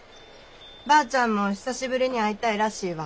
ばあちゃんも久しぶりに会いたいらしいわ。